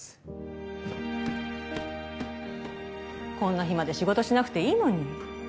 こんな日まで仕事しなくていいのに。